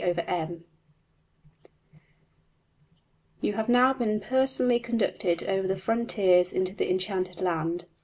\] \tb You have now been personally conducted over the frontiers into the enchanted land.